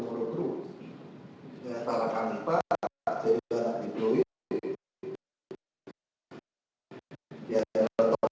saya tahu ya berhasil termasuk angkatan budaya berhasil jadi ceo di agung podong modo grup